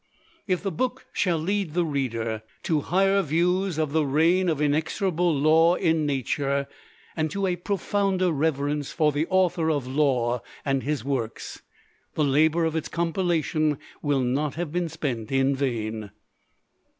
If the book shall lead the reader to higher views of the reign of inexorable law in nature, and to a profounder reverence for the Author of Law and his works, the labor of its compilation will not have been spent in vain.